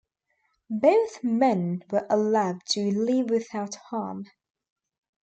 Both men were allowed to leave without harm.